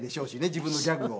自分のギャグを。